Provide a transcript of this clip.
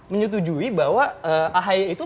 menyetujui bahwa ahi itu